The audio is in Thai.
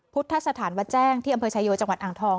พุทธสถานวัดแจ้งที่อำเภอชายโยจังหวัดอ่างทอง